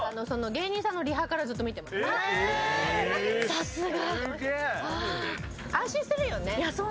さすが！